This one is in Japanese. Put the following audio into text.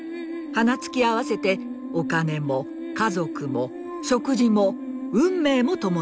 鼻突き合わせてお金も家族も食事も運命も共にする。